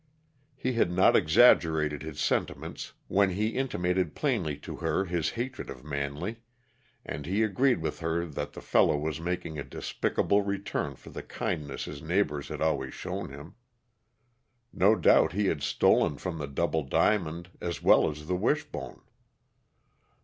He had not exaggerated his sentiments when he intimated plainly to her his hatred of Manley, and he agreed with her that the fellow was making a despicable return for the kindness his neighbors had always shown him. No doubt he had stolen from the Double Diamond as well as the Wishbone.